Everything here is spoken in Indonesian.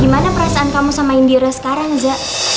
gimana perasaan kamu sama indira sekarang za